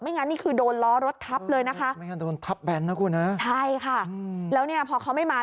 ไม่งั้นนี่คือโดนล้อรถทับเลยนะคะ